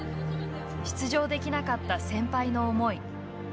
出場できなかった先輩の思い。